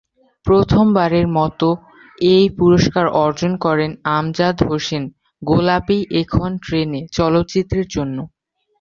প্রথমবারের মত এই পুরস্কার অর্জন করেন আমজাদ হোসেন "গোলাপী এখন ট্রেনে" চলচ্চিত্রের জন্য।